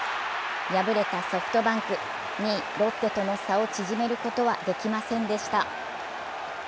敗れたソフトバンク、２位・ロッテとの差を縮めることはできませんでした。